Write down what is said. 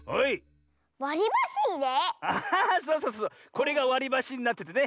これがわりばしになっててね